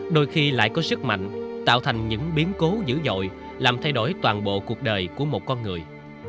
đôi khi lại có sức mạnh tạo thành những biến cố dữ dội làm thay đổi toàn bộ cuộc đời của một con người